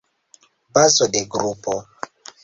Bazo de grupo.